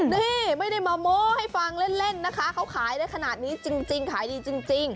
นี่ไม่ได้มาโม้ให้ฟังเล่นนะคะเขาขายได้ขนาดนี้จริงขายดีจริง